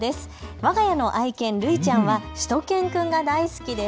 わが家の愛犬るいちゃんはしゅと犬くんが大好きです。